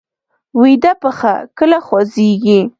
ویده پښه کله خوځېږي